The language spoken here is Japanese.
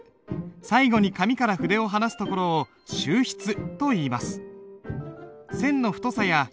最後に紙から筆を離すところを収筆といいます。